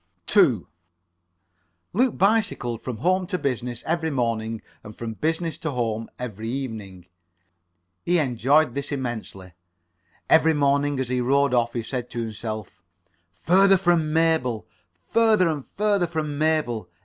2 Luke bicycled from home to business every morning, and from business to home every evening. He enjoyed this immensely. Every morning as he rode off he said to himself: "Further from Mabel. Further and further from Mabel.